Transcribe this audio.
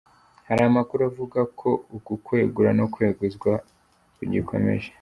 Hari amakuru avuga ko uku kwegura no kweguzwa ku gikomeje.